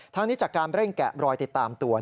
ทั้งนี้จากการเร่งแกะรอยติดตามตัว